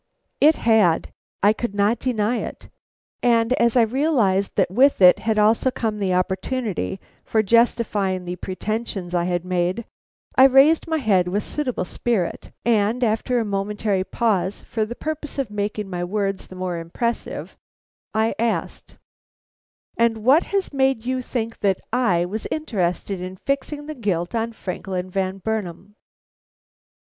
It had; I could not deny it, and as I realized that with it had also come the opportunity for justifying the pretensions I had made, I raised my head with suitable spirit and, after a momentary pause for the purpose of making my words the more impressive, I asked: "And what has made you think that I was interested in fixing the guilt on Franklin Van Burnam?"